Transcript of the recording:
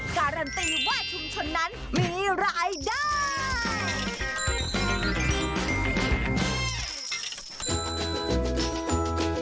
การันตีว่าชุมชนนั้นมีรายได้